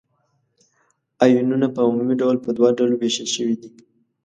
آیونونه په عمومي ډول په دوه ډلو ویشل شوي دي.